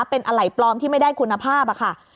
เป็นอะไรปลอมที่ไม่ได้คุณภาพค่ะ